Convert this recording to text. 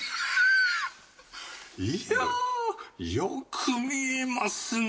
いやあよく見えますね！